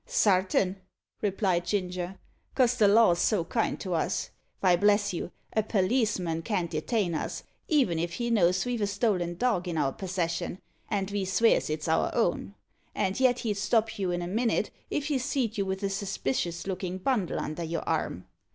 "Sartin," replied Ginger, "cos the law's so kind to us. Vy, bless you, a perliceman can't detain us, even if he knows ve've a stolen dog in our persession, and ve svears it's our own; and yet he'd stop you in a minnit if he seed you with a suspicious lookin' bundle under your arm.